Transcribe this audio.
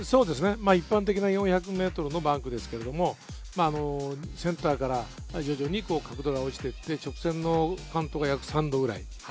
一般的な４００ｍのバンクですけれど、センターから２個角度が落ちて、直線のカウントが約３度くらい。